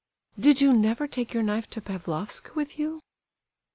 "Did you never take your knife to Pavlofsk with you?"